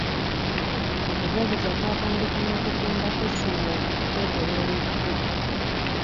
Okujjaguza kwatandika n'okukumba kw'essomero okwetoloola ekibuga.